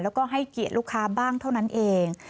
แล้วก็ให้เกียรติลูกค้าบ้างเท่านั้นเอง